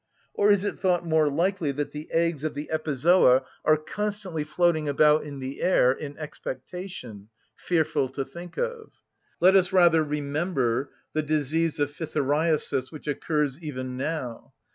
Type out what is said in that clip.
Or is it thought more likely that the eggs of the epizoa are constantly floating about in the air in expectation? (Fearful to think of!) Let us rather remember the disease of phthiriasis, which occurs even now.